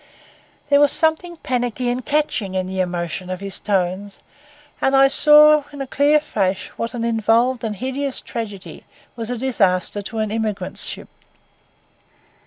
There was something panicky and catching in the emotion of his tones; and I saw in a clear flash what an involved and hideous tragedy was a disaster to an emigrant ship.